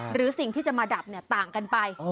หรือสิ่งที่จะมาดับต่างกันไป